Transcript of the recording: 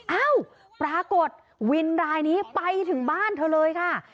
เอ้าปรากฏวินรายนี้ไปถึงบ้านเธอเลยค่ะ